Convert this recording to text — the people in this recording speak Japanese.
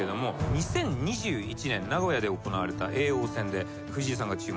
２０２１年名古屋で行われた叡王戦で藤井さんが注文した料理。